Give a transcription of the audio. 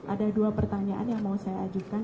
ada dua pertanyaan yang mau saya ajukan